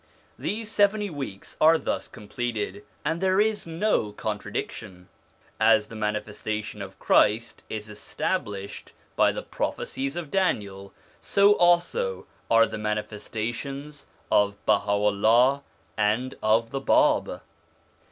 These seventy weeks are thus completed, and there is no contradiction. As the manifestation of Christ is established by the prophecies of Daniel, so also are the manifestations of Baha'u'llah and of the Bab.